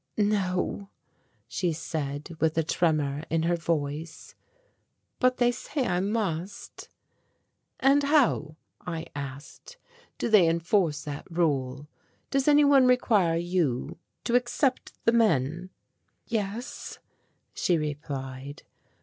"No," she said, with a tremor in her voice, "but they say I must." "And how," I asked, "do they enforce that rule? Does any one require you to accept the men?" "Yes," she replied.